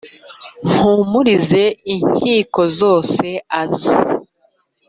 Mpumurize inkiko zose azi